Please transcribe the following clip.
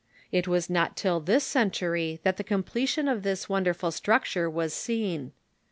It was not till this century that the completion of this won derful structure was seen.